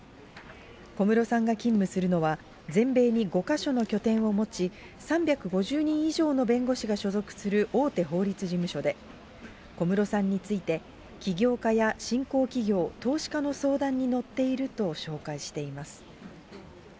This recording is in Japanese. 小室さんが勤務するのは、全米に５か所の拠点を持ち、３５０人以上の弁護士が所属する大手法律事務所で、小室さんについて、起業家や新興企業、投資家の相談に乗っていると紹介しています。